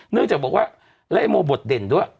เนื่องจากบอกว่าและไอ้โมบทเด่นด้วย